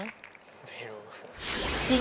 ไม่รู้